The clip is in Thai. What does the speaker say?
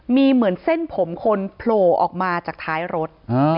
มีเหมือนเส้นผมคนโผล่ออกมาจากท้ายรถ